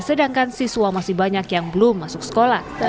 sedangkan siswa masih banyak yang belum masuk sekolah